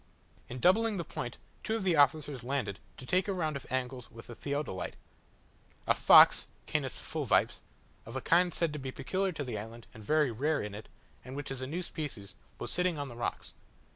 In doubling the point, two of the officers landed to take a round of angles with the theodolite. A fox (Canis fulvipes), of a kind said to be peculiar to the island, and very rare in it, and which is a new species, was sitting on the rocks.